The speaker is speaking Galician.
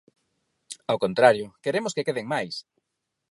Ao contrario, ¡queremos que queden máis!